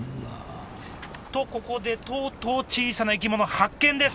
とここでとうとう小さな生き物発見です！